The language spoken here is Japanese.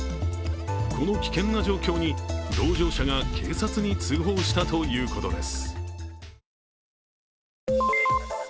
この危険な状況に同乗者が警察に通報したということです。